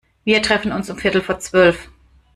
Wir treffen uns um viertel vor zwölf.